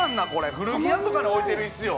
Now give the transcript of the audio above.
古着屋とかに置いてる椅子よ。